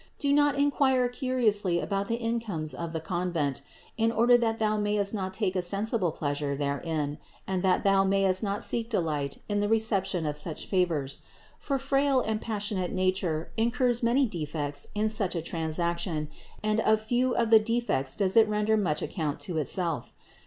Do not inquire curiously about the incomes of the convent, in order that thou mayest not take a sensible pleasure therein and that thou mayest not seek delight in the reception of such favors ; for frail and passionate nature incurs many defects in such a transaction and of few of the defects does it render much account to itself.